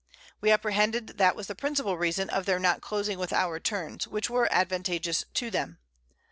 We apprehended that was the principal Reason of their not closing with our Terms, which were advantageous to them.